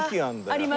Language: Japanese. あります